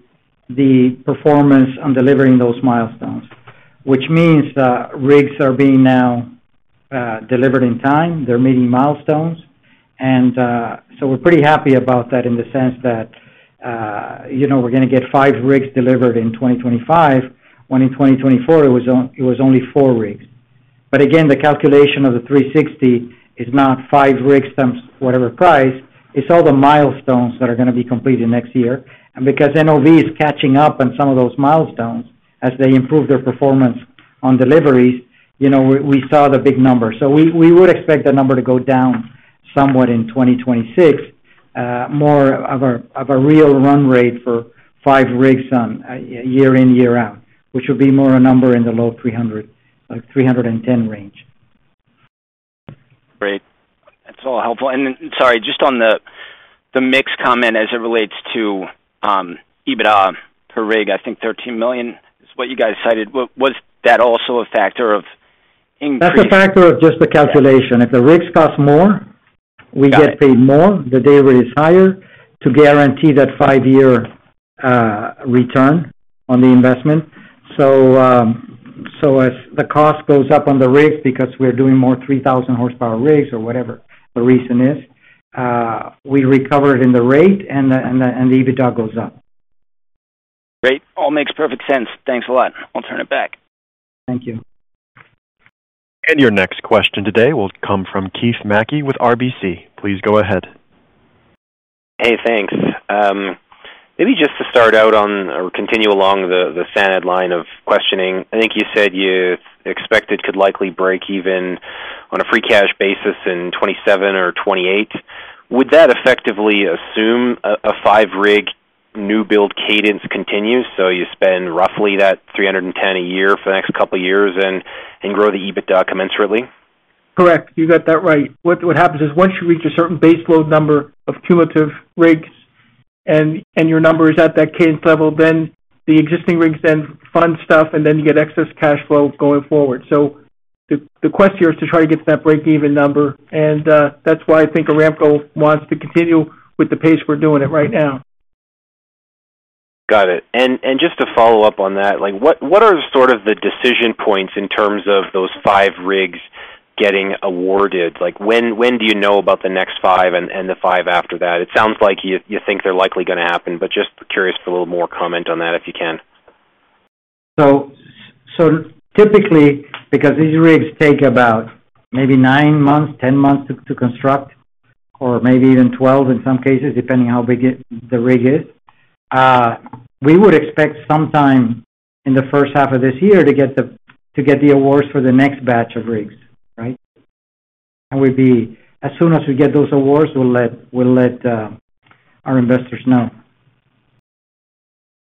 the performance on delivering those milestones, which means rigs are being now delivered in time. They're meeting milestones. And so we're pretty happy about that in the sense that we're going to get five rigs delivered in 2025, when in 2024, it was only four rigs. But again, the calculation of the 360 is not five rigs times whatever price. It's all the milestones that are going to be completed next year. And because NOV is catching up on some of those milestones as they improve their performance on deliveries, we saw the big number. So we would expect the number to go down somewhat in 2026, more of a real run rate for five rigs year in, year out, which would be more a number in the low 300, like 310 range. Great. That's all helpful. And sorry, just on the mix comment as it relates to EBITDA per rig, I think $13 million is what you guys cited. Was that also a factor of increasing? That's a factor of just the calculation. If the rigs cost more, we get paid more. The delivery is higher to guarantee that five-year return on the investment. So as the cost goes up on the rigs because we're doing more 3,000 horsepower rigs or whatever the reason is, we recover it in the rate, and the EBITDA goes up. Great. All makes perfect sense. Thanks a lot. I'll turn it back. Thank you. And your next question today will come from Keith Mackey with RBC. Please go ahead. Hey, thanks. Maybe just to start out on or continue along the SANAD line of questioning, I think you said you expected could likely break even on a free cash basis in 2027 or 2028. Would that effectively assume a five-rig new build cadence continues? So you spend roughly that $310 a year for the next couple of years and grow the EBITDA commensurately? Correct. You got that right. What happens is, once you reach a certain base load number of cumulative rigs and your number is at that cadence level, then the existing rigs then fund stuff, and then you get excess cash flow going forward. So the quest here is to try to get to that break-even number. And that's why I think Aramco wants to continue with the pace we're doing it right now. Got it. And just to follow up on that, what are sort of the decision points in terms of those five rigs getting awarded? When do you know about the next five and the five after that? It sounds like you think they're likely going to happen, but just curious for a little more comment on that if you can? Typically, because these rigs take about maybe nine months, 10 months to construct, or maybe even 12 in some cases, depending on how big the rig is, we would expect sometime in the first half of this year to get the awards for the next batch of rigs, right? That would be as soon as we get those awards, we'll let our investors know.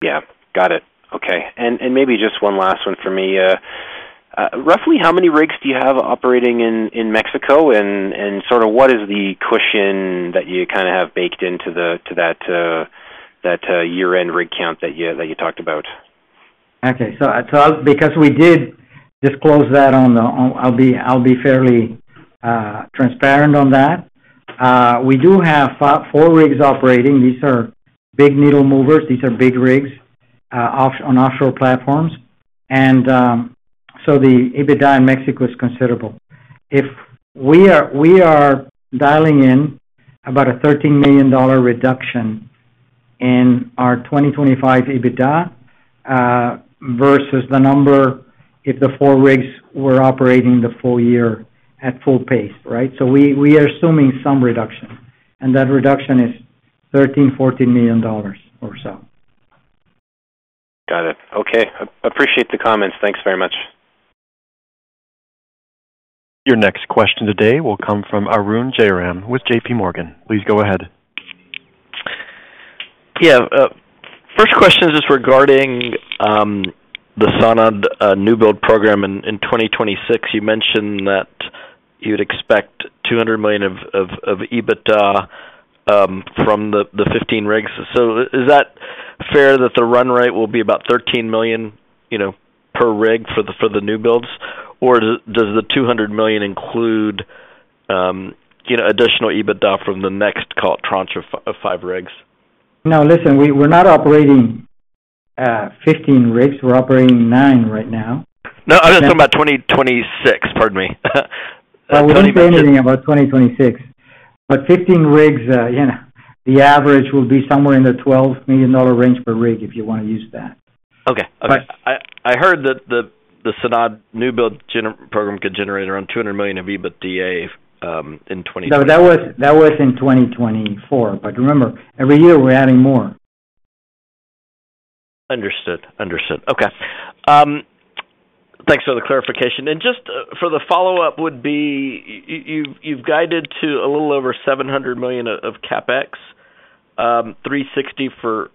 Yeah. Got it. Okay. And maybe just one last one for me. Roughly how many rigs do you have operating in Mexico, and sort of what is the cushion that you kind of have baked into that year-end rig count that you talked about? Okay. So because we did disclose that, I'll be fairly transparent on that. We do have four rigs operating. These are big needle movers. These are big rigs on offshore platforms. And so the EBITDA in Mexico is considerable. If we are dialing in about a $13 million reduction in our 2025 EBITDA versus the number if the four rigs were operating the full year at full pace, right? So we are assuming some reduction, and that reduction is $13-$14 million or so. Got it. Okay. Appreciate the comments. Thanks very much. Your next question today will come from Arun Jayaram with J.P. Morgan. Please go ahead. Yeah. First question is regarding the SANAD new build program in 2026. You mentioned that you'd expect $200 million of EBITDA from the 15 rigs. So is that fair that the run rate will be about $13 million per rig for the new builds, or does the $200 million include additional EBITDA from the next, call it tranche of five rigs? No, listen, we're not operating 15 rigs. We're operating 9 right now. No, I was talking about 2026. Pardon me. We're not saying anything about 2026. But 15 rigs, the average will be somewhere in the $12 million range per rig if you want to use that. Okay. Okay. I heard that the SANAD new build program could generate around $200 million of EBITDA in 2024. No, that was in 2024. But remember, every year we're adding more. Understood. Understood. Okay. Thanks for the clarification. And just for the follow-up would be you've guided to a little over $700 million of CapEx, $360 for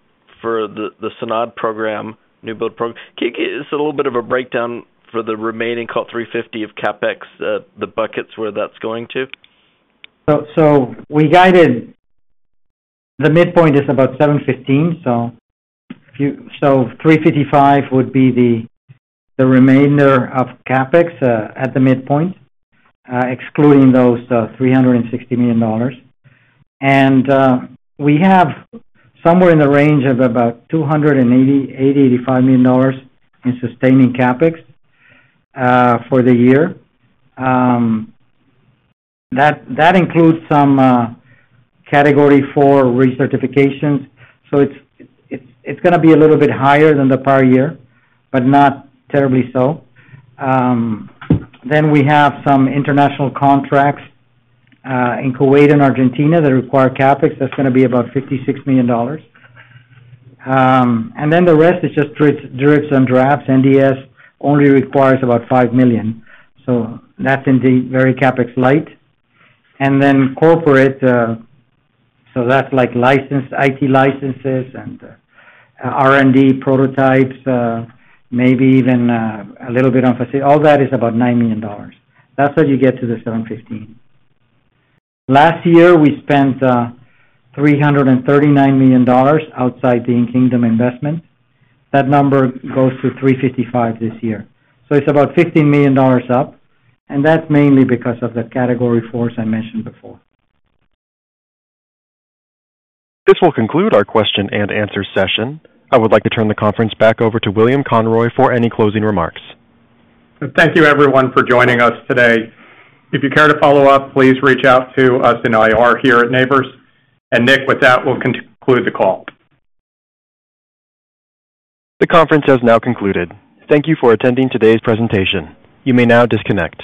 the SANAD program, new build program. Can you give us a little bit of a breakdown for the remaining call it $350 of CapEx, the buckets where that's going to? So the midpoint is about $715. So $355 would be the remainder of CapEx at the midpoint, excluding those $360 million. And we have somewhere in the range of about $280-$285 million in sustaining CapEx for the year. That includes some Category IV recertifications. So it's going to be a little bit higher than the prior year, but not terribly so. Then we have some international contracts in Kuwait and Argentina that require CapEx. That's going to be about $56 million. And then the rest is just dribs and drabs. NDS only requires about $5 million. So that's in the very CapEx light. And then corporate, so that's like IT licenses and R&D prototypes, maybe even a little bit on facility. All that is about $9 million. That's what you get to the $715 million. Last year, we spent $339 million outside the In-Kingdom investment. That number goes to $355 million this year. So it's about $15 million up. And that's mainly because of the Category IVs I mentioned before. This will conclude our question and answer session. I would like to turn the conference back over to William Conroy for any closing remarks. Thank you, everyone, for joining us today. If you care to follow up, please reach out to us in IR here at Nabors, and Nick, with that, we'll conclude the call. The conference has now concluded. Thank you for attending today's presentation. You may now disconnect.